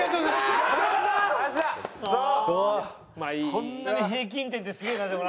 こんなに平均点ってすげえなでもな。